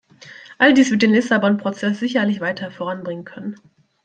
All dies wird den Lissabon-Prozess sicherlich weiter voranbringen können.